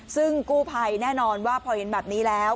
ซึ่งกู้ภัยแน่นอนว่าพอเห็นแบบนี้แล้ว